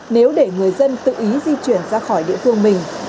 nếu để người dân tự ý di chuyển ra khỏi địa phương mình